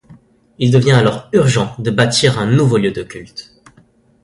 Il devient alors urgent de bâtir un nouveau lieu de culte.